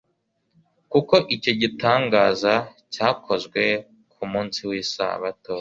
kuko icyo gitangaza cyakozwe ku munsi w'isabato.